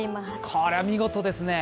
これは見事ですね。